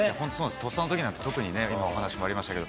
とっさのときなんて、特に今、お話もありましたけど。